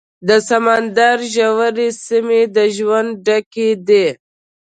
د سمندر ژورې سیمې د ژوند ډکې دي.